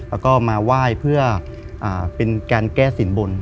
แล้วก็มาไหว้เพื่อเป็นการแก้สินบน